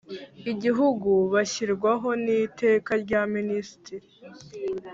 Igihugu Bashyirwaho N Iteka Rya Ministiri